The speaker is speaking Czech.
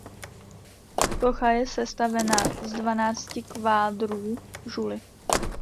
Socha je sestavena z dvanácti kvádrů žuly.